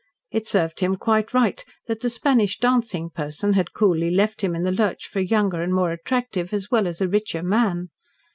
It served him quite right that the Spanish dancing person had coolly left him in the lurch for a younger and more attractive, as well as a richer man.